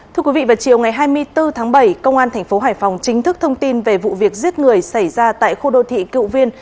thưa quý vị vào chiều ngày hai mươi bốn tháng bảy công an tp hải phòng chính thức thông tin về vụ việc giết người xảy ra tại khu đô thị cựu viên